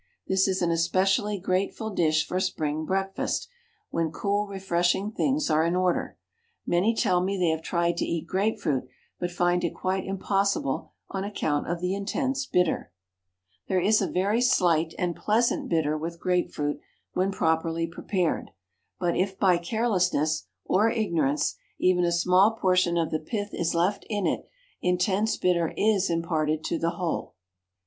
This is an especially grateful dish for spring breakfast, when cool, refreshing things are in order. Many tell me they have tried to eat grape fruit, but find it quite impossible on account of the intense bitter. There is a very slight and pleasant bitter with grape fruit when properly prepared, but if by carelessness or ignorance even a small portion of the pith is left in it intense bitter is imparted to the whole.